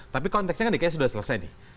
tapi konteksnya kan dki sudah selesai nih